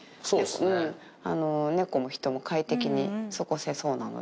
猫も人も快適に過ごせそうなので。